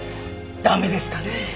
駄目ですかね？